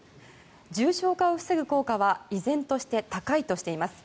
重症化を防ぐ効果は依然として高いとしています。